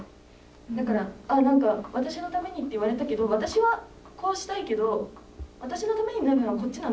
だから「ああ何か『私のために』って言われたけど私はこうしたいけど私のためになるのはこっちなの？